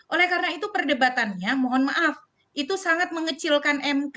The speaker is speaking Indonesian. oleh karena itu perdebatannya mohon maaf itu sangat mengecilkan mk